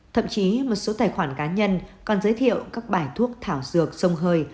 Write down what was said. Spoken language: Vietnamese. thậm chí một số tài khoản cá nhân còn giới thiệu các bài thuốc thảo dược sông hơi